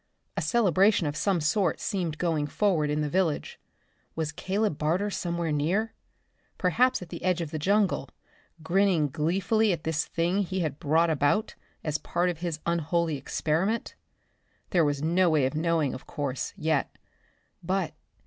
A celebration of some sort seemed going forward in the village. Was Caleb Barter somewhere near, perhaps on the edge of the jungle, grinning gleefully at this thing he had brought about as part of his unholy experiment? There was no way of knowing of course, yet. But....